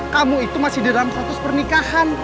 kamu itu masih dalam status pernikahan